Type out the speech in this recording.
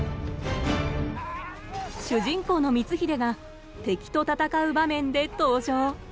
主人公の光秀が敵と戦う場面で登場。